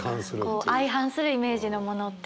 相反するイメージのものっていう。